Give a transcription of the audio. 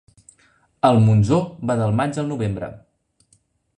El Montsó va del maig al novembre.